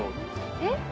えっ？